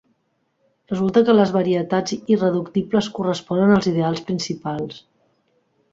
Resulta que les varietats irreductibles corresponen als ideals principals.